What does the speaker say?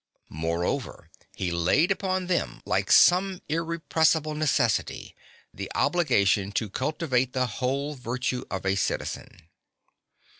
Moreover, he laid upon them, like some irresistible necessity, the obligation to cultivate the whole virtue of a citizen.